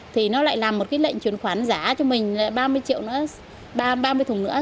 thì nó lại làm một lệnh chuyển khoản giá cho mình ba mươi triệu nữa ba mươi thùng nữa